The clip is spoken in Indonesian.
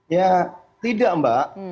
ya tidak mbak